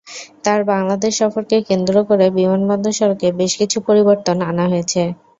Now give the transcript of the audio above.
তাঁর বাংলাদেশ সফরকে কেন্দ্র করে বিমানবন্দর সড়কে বেশ কিছু পরিবর্তন আনা হয়েছে।